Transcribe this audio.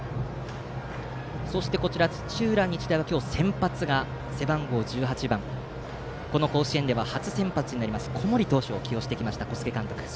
そして、土浦日大は今日、先発が背番号１８番この甲子園で初先発になる小森投手を起用してきました小菅監督。